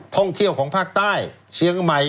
ท่องเที่ยวของภาคใต้เชียงใหม่